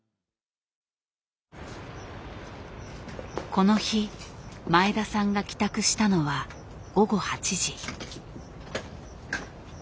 この日前田さんが帰宅したのは午後８時。